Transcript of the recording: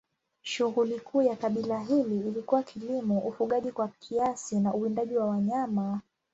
Shughuli kuu ya kabila hili ilikuwa kilimo, ufugaji kwa kiasi na uwindaji wa wanyama.